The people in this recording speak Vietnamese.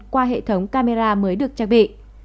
qua hệ thống camera mới được trang bị